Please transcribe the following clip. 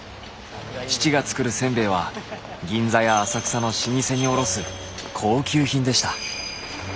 父が作るせんべいは銀座や浅草の老舗に卸す高級品でした。